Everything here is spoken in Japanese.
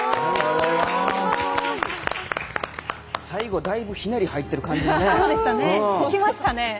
最後、だいぶひねり入ってる感じがね。